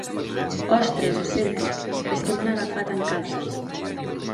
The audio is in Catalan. Ostres, ho sento, és que m'han agafat en calces.